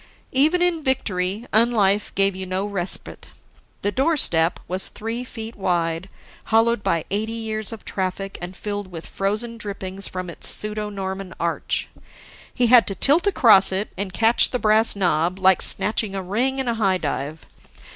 Even in victory, unlife gave you no respite. The doorstep was three feet wide, hollowed by eighty years of traffic, and filled with frozen drippings from its pseudo Norman arch. He had to tilt across it and catch the brass knob like snatching a ring in a high dive.